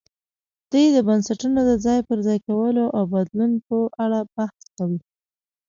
دوی د بنسټونو د ځای پر ځای کولو او بدلون په اړه بحث کوي.